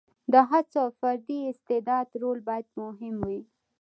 د هڅو او فردي استعداد رول باید مهم وي.